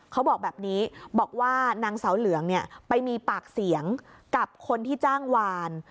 เขาบอกแบบนี้บอกว่านางเสาเหลืองเนี่ยไปมีปากเสียงกับคนที่จ้างวาน